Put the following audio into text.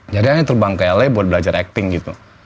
jadi saya terbang ke la buat belajar acting gitu